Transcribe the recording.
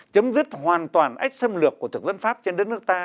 chấm dứt hoàn toàn ách xâm lược của thực dân pháp trên đất nước ta